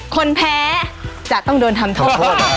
คนแพ้จะต้องโทษ